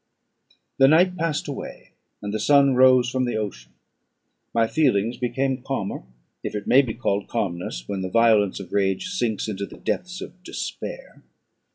The night passed away, and the sun rose from the ocean; my feelings became calmer, if it may be called calmness when the violence of rage sinks into the depths of despair.